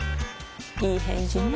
いい返事ね